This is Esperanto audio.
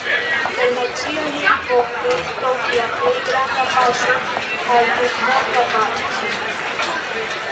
Internacia Lingvo estos la plej granda paŝo al tutmonda paco.